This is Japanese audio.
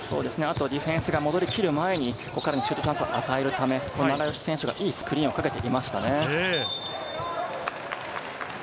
ディフェンスが戻り切る前にシュートチャンスを与えるため、前の選手がいいスクリーンをかけていましたね。